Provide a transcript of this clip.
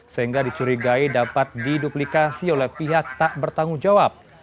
sehingga dicurigai dapat diduplikasi oleh pihak tak bertanggung jawab